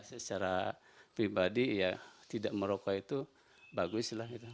secara pribadi ya tidak merokok itu bagus lah gitu